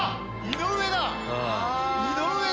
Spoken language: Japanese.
井上だ！